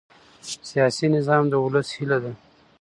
سیاسي نظام د ولس هیله ده